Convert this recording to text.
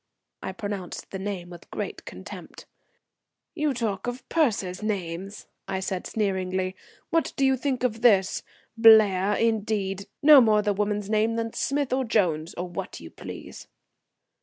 I pronounced the name with great contempt. "You talk of purser's names," I said sneeringly. "What do you think of this? Blair, indeed! No more the woman's name than Smith or Jones, or what you please."